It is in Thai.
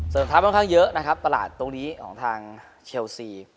ทัพค่อนข้างเยอะนะครับตลาดตรงนี้ของทางเชลซี